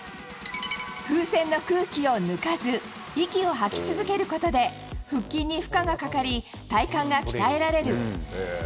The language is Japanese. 風船の空気を抜かず、息を吐き続けることで、腹筋に負荷がかかり、体幹が鍛えられる。